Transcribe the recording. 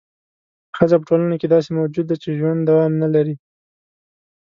ښځه په ټولنه کې داسې موجود دی چې ژوند دوام نه لري.